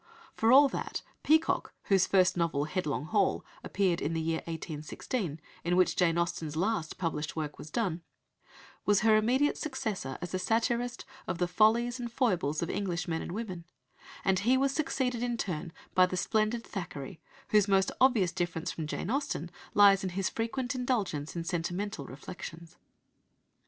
For all that Peacock, whose first novel, Headlong Hall, appeared in the year (1816) in which Jane Austen's last (published) work was done, was her immediate successor as a satirist of the follies and foibles of English men and women, and he was succeeded in turn by the splendid Thackeray, whose most obvious difference from Jane Austen lies in his frequent indulgence in sentimental reflections.